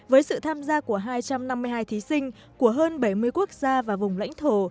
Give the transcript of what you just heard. với sự tham gia của hai trăm năm mươi hai thí sinh của hơn bảy mươi quốc gia và vùng lãnh thổ